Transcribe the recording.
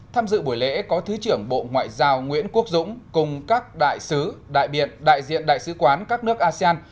tham dự buổi lễ có thứ trưởng bộ ngoại giao nguyễn quốc dũng cùng các đại sứ đại biện đại diện đại sứ quán các nước asean